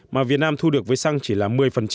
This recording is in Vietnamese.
mà việt nam thu được với xăng chỉ là một mươi